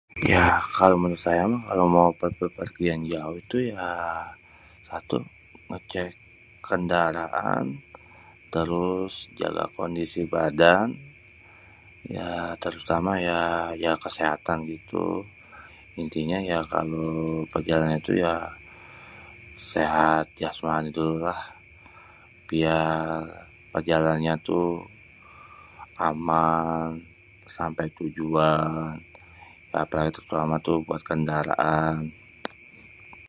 Ya kalo menurut saya mah kalo mau berpergian jauh tuh ya satu ngecek kendaraan trus segala kondisi badan, a terutama ya kaya kesehatan gitu. Intinya ya kalu mau perjalanan itu ya sehat jasmani dulu lah, biar perjalanannya tuh aman sampai tujuan patuhi peraturan kendaraan.